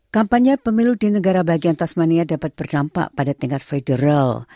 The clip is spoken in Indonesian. kampanye pemilu di negara bagian tasmania dapat berdampak pada tingkat federal